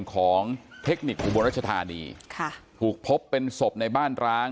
ของเทคนิคอุบลรัชธานีค่ะถูกพบเป็นศพในบ้านร้าง